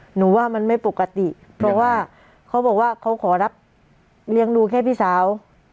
หนูว่ามันไม่ปกติเพราะว่าเขาบอกว่าเขาขอรับเลี้ยงดูแค่พี่สาว